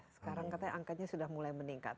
sekarang katanya angkanya sudah mulai meningkat